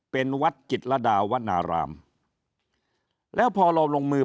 เป็นวัดจิตรดาวนารามแล้วพอเราลงมือ